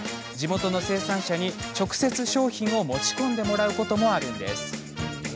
地元の生産者に直接商品を持ち込んでもらうこともあるんです。